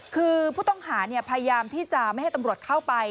คือผู้ต้องหาพยายามที่จะไม่ให้ตำรวจเข้าไป